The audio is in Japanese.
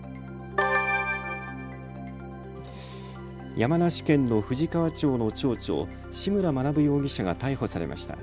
山梨県の富士川町の町長、志村学容疑者が逮捕されました。